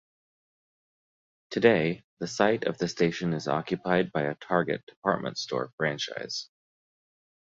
Today, the site of the station is occupied by a Target department store franchise.